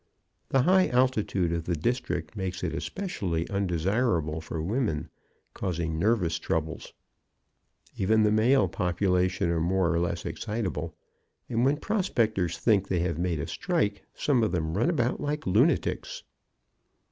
The high altitude of the district makes it especially undesirable for women, causing nervous troubles. Even the male population are more or less excitable, and when prospectors think they have made a strike some of them run about like lunatics.